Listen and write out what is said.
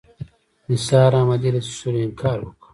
نثار احمدي له څښلو انکار وکړ.